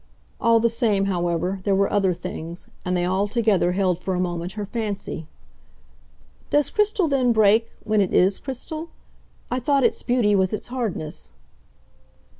All the same, however, there were other things; and they all together held for a moment her fancy. "Does crystal then break when it IS crystal? I thought its beauty was its hardness."